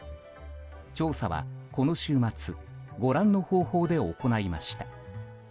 調査はこの週末ご覧の方法で行いました。